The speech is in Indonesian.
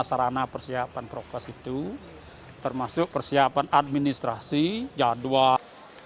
sarana persiapan prokes itu termasuk persiapan administrasi jadwal